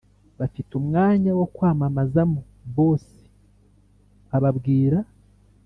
bafite umwanya wo kwamamazamo) boss ababwira